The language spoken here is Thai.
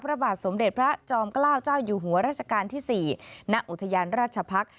พระบาทสมเด็จพระจอมเกล้าเจ้าอยู่หัวราชการที่๔ณอุทยานราชพักษ์